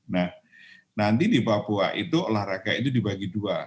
nah nanti di papua itu olahraga itu dibagi dua